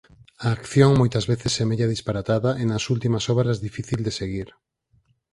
A acción moitas veces semella disparatada e nas últimas obras difícil de seguir.